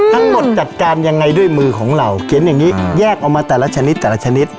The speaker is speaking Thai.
จัดการยังไงด้วยมือของเราเขียนอย่างนี้แยกออกมาแต่ละชนิดแต่ละชนิด